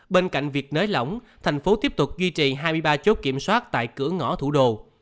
bên cạnh việc nới lỏng thành phố tiếp tục duy trì hai mươi ba chốt kiểm soát tại cửa ngõ thủ đô